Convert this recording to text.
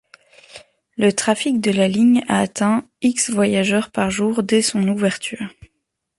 Le trafic de la ligne a atteint voyageurs par jour dès son ouverture.